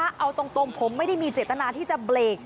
คุณผู้ชาวตรงผมไม่ได้มีเจตนาที่จะเบรก